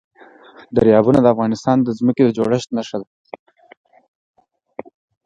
دریابونه د افغانستان د ځمکې د جوړښت نښه ده.